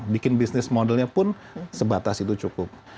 bikin bisnis modelnya pun sebatas itu cukup